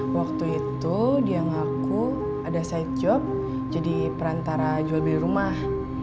waktu itu dia ngaku ada side job jadi perantara jual beli rumah